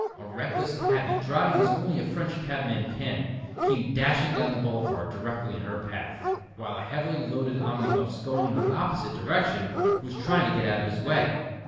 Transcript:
A reckless cabby, driving as only a French cabman can, came dashing down the boulevard directly in her path, while a heavily loaded omnibus going in the opposite direction was trying to get out of his way.